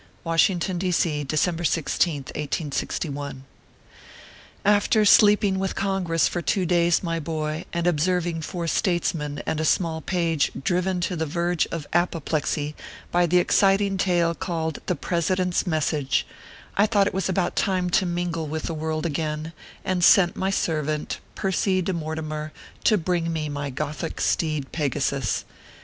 WASHINGTON, D. 0., December 16th, 1861. AFTER sleeping with Congress for two days, my boy, and observing four statesmen and a small page driven to the verge of apoplexy by the exciting tale called the President s Message, I thought it was about time to mingle with the world again, and sent my servant, Percy de Mortimer, to bring me my gothic steed Pegasus.